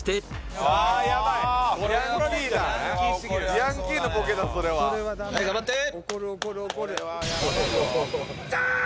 ヤンキーのボケだそれはチャーンス！